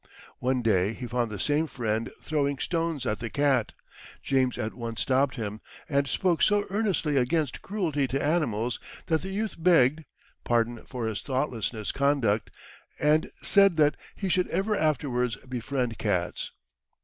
One day he found the same friend throwing stones at the cat. James at once stopped him, and spoke so earnestly against cruelty to animals that the youth begged, pardon for his thoughtless conduct, and said that he should ever afterwards befriend cats.